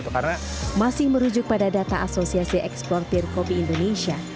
karena masih merujuk pada data asosiasi eksportir kopi indonesia